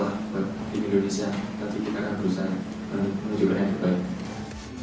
bagi indonesia tapi kita akan berusaha menunjukkan yang terbaik